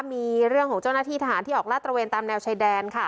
มีเรื่องของเจ้าหน้าที่ทหารที่ออกลาดตระเวนตามแนวชายแดนค่ะ